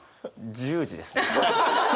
１０時ですね。